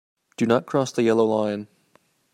Do not cross the yellow line.